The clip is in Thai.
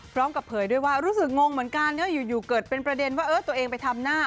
พร้อมกับเผยด้วยว่ารู้สึกงงเหมือนกันเดี๋ยวอยู่เกิดเป็นประเด็นว่าเออตัวเองไปทำหน้า